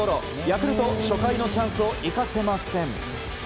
ヤクルト、初回のチャンスを生かせません。